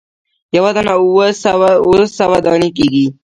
یوه دانه اووه سوه دانې کیږي.